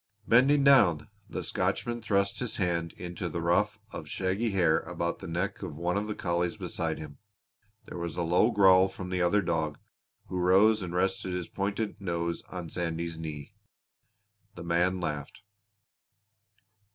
Bending down the Scotchman thrust his hand into the ruff of shaggy hair about the neck of one of the collies beside him. There was a low growl from the other dog, who rose and rested his pointed nose on Sandy's knee. The man laughed.